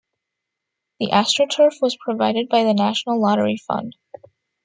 The astroturf was provided by the National Lottery Fund.